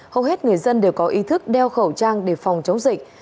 hầu hết người dân đều có ý thức đeo khẩu trang để phòng chống dịch